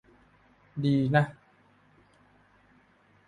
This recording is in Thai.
ดีนะ